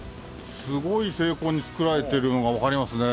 すごい精巧に作られてるのが分かりますね。